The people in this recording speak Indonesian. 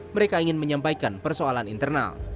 mereka ingin menyampaikan persoalan internal